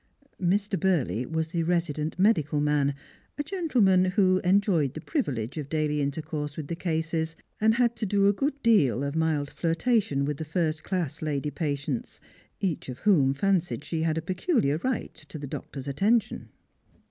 Mr. Burley was the resident medical man, a gentleman who enjoyed the privilege of daily iatercourse with the cases, and had to do a good deal of mild flirtation with the first class lady patients, each of whom fancied she had a peculiar right to the doctor's attention.